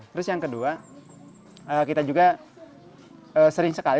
terus yang kedua kita juga sering sekali